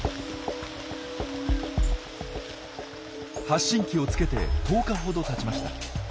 発信機をつけて１０日ほどたちました。